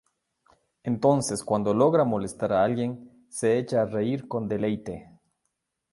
Entonces cuando logra molestar a alguien, se echa a reír con deleite.